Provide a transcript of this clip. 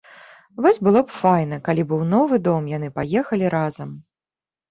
Вось было б файна, калі б і ў новы дом яны паехалі разам!